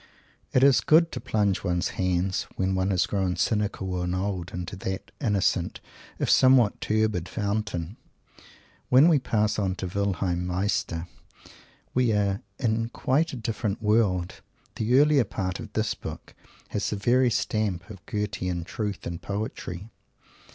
It is good to plunge one's hands, when one has grown cynical and old, into that innocent, if somewhat turbid, fountain. When we pass to "Wilhelm Meister," we are in quite a different world. The earlier part of this book has the very stamp of the Goethean "truth and poetry."